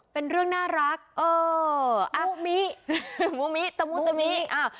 เป็นเรื่องน่ารักเอออามุมิมุมิตะมุตะมิอ้าว